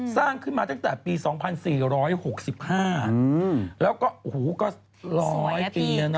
สร้างขึ้นมาตั้งแต่ปี๒๔๖๕แล้วก็โอ้โหก็๑๐๐ปีแล้วนะ